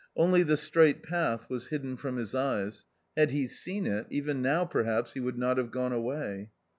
Only the straight path was hidden from his eyes ; had he . seen it, even now perhaps he would not have gone away.